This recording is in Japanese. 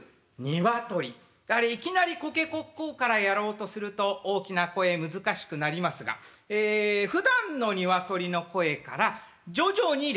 あれいきなり「コケコッコー」からやろうとすると大きな声難しくなりますがええふだんの鶏の声から徐々に練習していきます。